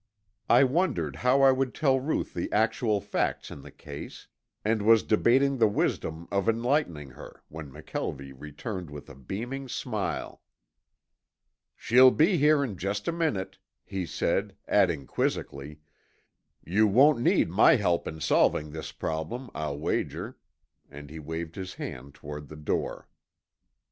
I wondered how I would tell Ruth the actual facts in the case, and was debating the wisdom of enlightening her when McKelvie returned with a beaming smile. "She'll be here in just a minute," he said, adding quizzically, "You won't need my help in solving this problem, I'll wager," and he waved his hand toward the door.